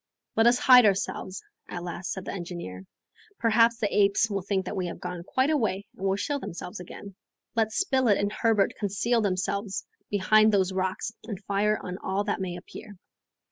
"Let us hide ourselves," at last said the engineer. "Perhaps the apes will think we have gone quite away and will show themselves again. Let Spilett and Herbert conceal themselves behind those rocks and fire on all that may appear."